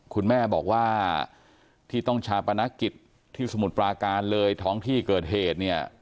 คุณแม่บอกว่าที่ต้องชาปนกิจที่สมุทรปราการเลยท้องที่เกิดเหตุเนี่ย